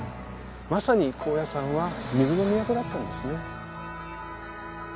まさに高野山は水の都だったんですね